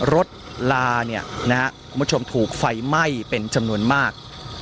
รถลาคุณผู้ชมถูกไฟไหม้เป็นจำนวนมาก